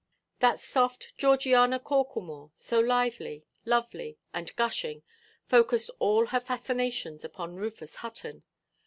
That soft Georgiana Corklemore, so lively, lovely, and gushing, focussed all her fascinations upon Rufus Hutton.